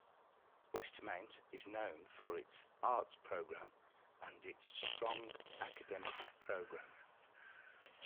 Westmount is known for its arts program and its strong academic program.